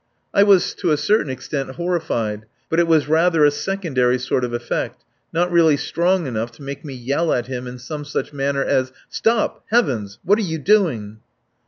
I was to a certain extent horrified; but it was rather a secondary sort of effect, not really strong enough to make me yell at him in some such manner as: "Stop!" ... "Heavens!" ... "What are you doing?"